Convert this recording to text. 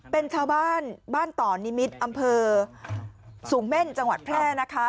เป็นชาวบ้านบ้านต่อนิมิตรอำเภอสูงเม่นจังหวัดแพร่นะคะ